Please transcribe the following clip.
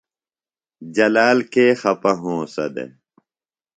جلال کے خپہ ہونسہ دےۡ؟